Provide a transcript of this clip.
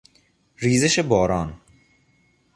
ریزش باران